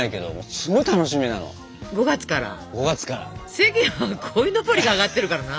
世間はこいのぼりがあがってるからな。